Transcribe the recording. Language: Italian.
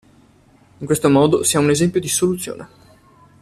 In questo modo si ha un esempio di soluzione.